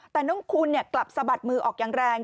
แต่น้องคุณกลับสะบัดมือออกอย่างแรง